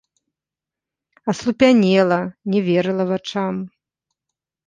Аслупянела, не верыла вачам.